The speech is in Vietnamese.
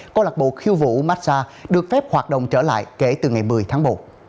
câu lạc bộ khiêu vũ massage được phép hoạt động trở lại kể từ ngày một mươi tháng một